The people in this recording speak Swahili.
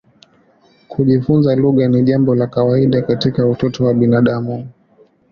Kujifunza lugha ni jambo la kawaida katika utoto wa binadamu.